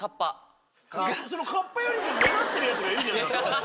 カッパよりも目立ってるやつがいるじゃん。